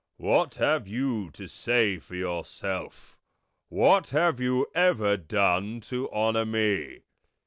"What have you to say for yourself? What have you ever done to honour me?"